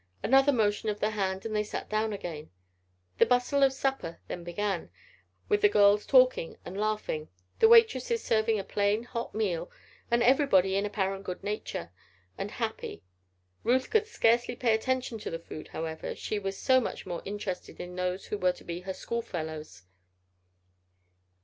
Another motion of the hand, and they sat down again. The bustle of supper then began, with the girls talking and laughing, the waitresses serving a plain, hot meal, and everybody in apparent good nature, and happy. Ruth could scarcely pay attention to the food, however, she was so much more interested in these who were to be her school fellows.